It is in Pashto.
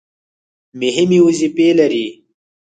مهمې وظیفې لري.